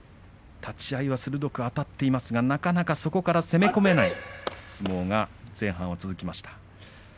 立ち合いは鋭くあたっていますがそこからなかなか攻め込めない相撲が前半続きました。